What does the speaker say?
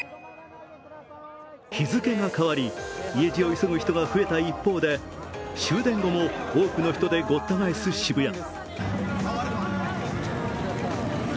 日付が変わり、家路を急ぐ人が増えた一方で、終電後も多くの人でごった返す渋谷。